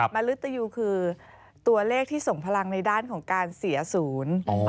มรุตยูคือตัวเลขที่ส่งพลังในด้านของการเสียศูนย์